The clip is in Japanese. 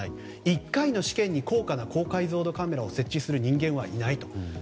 １回の試験に高価な高解像度カメラを設置する人間はいないと。